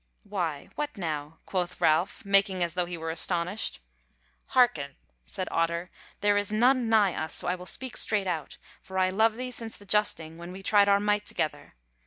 "Why, what now?" quoth Ralph, making as though he were astonished. "Hearken," said Otter: "there is none nigh us, so I will speak straight out; for I love thee since the justing when we tried our might together.